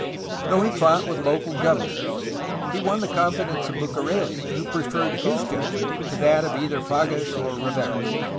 Though he fought with local governors, he won the con fidence of Bucareli, who preferred his judgment to that of either Fages or Rivera.